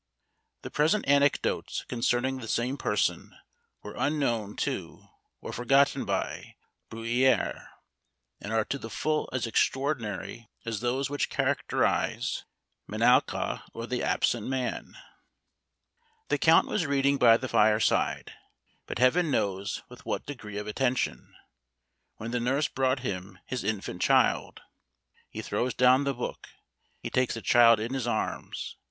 The present anecdotes concerning the same person were unknown to, or forgotten by, Bruyère; and are to the full as extraordinary as those which characterise Menalcas, or the Absent Man. The count was reading by the fireside, but Heaven knows with what degree of attention, when the nurse brought him his infant child. He throws down the book; he takes the child in his arms.